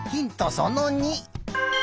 その２。